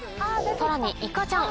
さらにいかちゃん